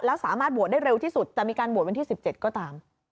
แล้วสามารถบวชได้เร็วที่สุดจะมีการบวชวันที่๑๗ก็ตาม